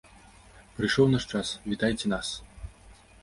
Прыйшоў наш час, вітайце нас!